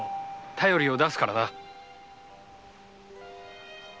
便りを出すからな